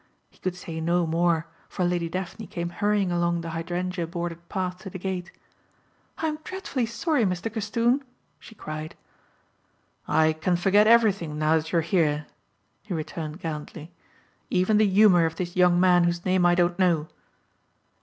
He could say no more for Lady Daphne came hurrying along the hydrangea bordered path to the gate. "I'm dreadfully sorry, Mr. Castoon," she cried. "I can forget everything now that you are here," he returned gallantly, "even the humour of this young man whose name I don't know."